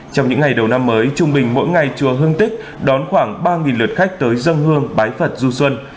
trong những ngày đầu năm mới trung bình mỗi ngày chùa hương tích đón khoảng ba lượt khách tới dân hương bái phật du xuân